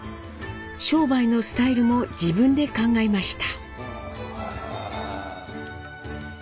商売のスタイルも自分で考えました。